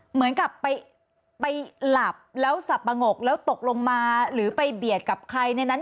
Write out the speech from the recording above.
เหมือนกับไปหลับแล้วสับปะงกแล้วตกลงมาหรือไปเบียดกับใครในนั้น